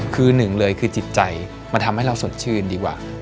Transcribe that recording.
คือหนึ่งเลยคือจิตใจมันทำให้เราสดชื่นดีกว่า